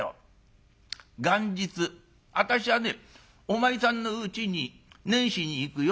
元日私はねお前さんのうちに年始に行くよ。